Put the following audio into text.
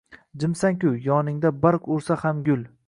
Jimsan-ku, yoningda barq ursa ham gul